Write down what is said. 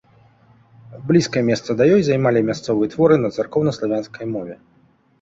Блізкае месца да ёй займалі мясцовыя творы на царкоўнаславянскай мове.